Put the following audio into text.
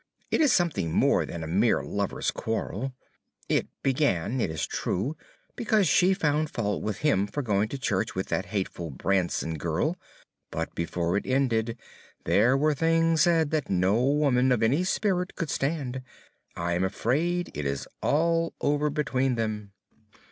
"It is something more than a mere lovers' quarrel. It began, it is true, because she found fault with him for going to church with that hateful Branson girl. But before it ended there were things said that no woman of any spirit could stand. I am afraid it is all over between them."